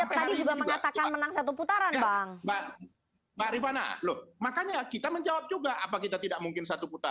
mengatakan menang satu putaran bang mbak rifana makanya kita menjawab juga apa kita tidak mungkin